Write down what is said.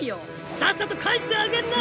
さっさと返してあげな！